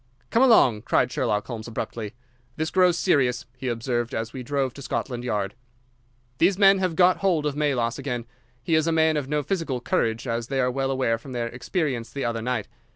"Come along!" cried Sherlock Holmes, abruptly. "This grows serious," he observed, as we drove to Scotland Yard. "These men have got hold of Melas again. He is a man of no physical courage, as they are well aware from their experience the other night.